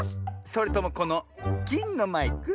それともこのぎんのマイク？